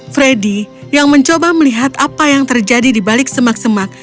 freddy yang mencoba melihat apa yang terjadi di balik semak semak